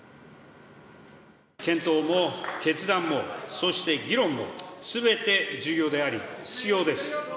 検討も決断も、そして議論もすべて重要であり、必要です。